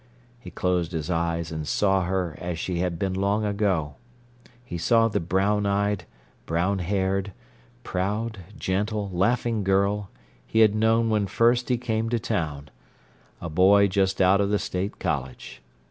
He closed his eyes and saw her as she had been long ago. He saw the brown eyed, brown haired, proud, gentle, laughing girl he had known when first he came to town, a boy just out of the State College.